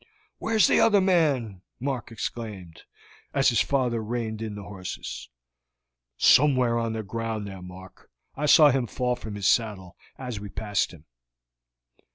"Where is the other man?" Mark exclaimed, as his father reined in the horses. "Somewhere on the ground there, Mark; I saw him fall from his saddle as we passed him."